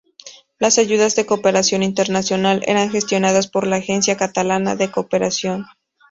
Las ayudas de cooperación internacional eran gestionadas por la Agencia Catalana de Cooperación.